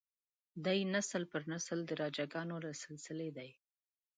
دی نسل پر نسل د راجه ګانو له سلسلې دی.